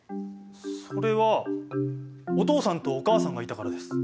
それはお父さんとお母さんがいたからです。